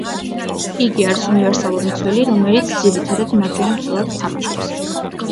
იგი არის უნივერსალური მცველი, რომელიც ძირითადად მარჯვენა მცველად თამაშობს.